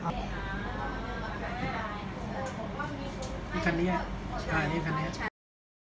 คันนี้อ่านี่คันนี้